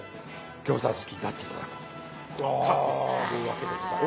餃子好きになって頂こうというわけでございます。